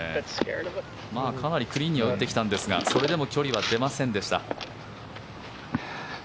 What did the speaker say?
かなりクリーンには打ってきたんですがそれでも距離は出ませんでした。